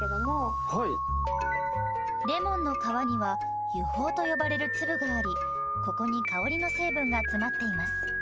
レモンの皮には油胞と呼ばれる粒がありここに香りの成分が詰まっています。